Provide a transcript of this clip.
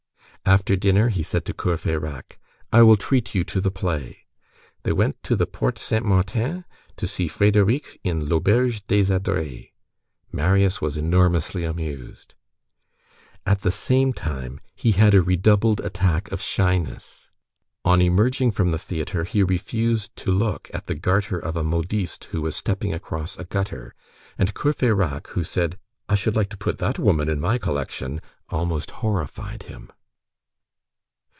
After dinner, he said to Courfeyrac: "I will treat you to the play." They went to the Porte Sainte Martin to see Frédérick in l'Auberge des Adrets. Marius was enormously amused. At the same time, he had a redoubled attack of shyness. On emerging from the theatre, he refused to look at the garter of a modiste who was stepping across a gutter, and Courfeyrac, who said: "I should like to put that woman in my collection," almost horrified him.